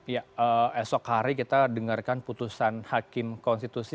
ya esok hari kita dengarkan putusan hakim konstitusi